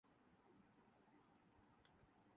یاسر نواز نے سند